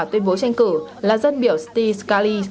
tuyên bố tranh cử là dân biểu steve scully